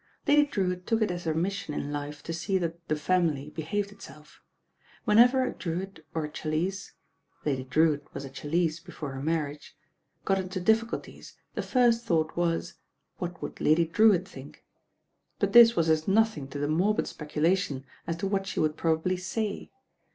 Lady Drewitt took it as her mission in life to see that "the family" behaved itself. Whenever a Drewitt or a Challice— Lady Drewitt was a Chal lice before her marriage— got into difficulties the ' first thought was, what would Lady Drewitt think? but this was as nothing to the morbid speculation as to what she would probably say.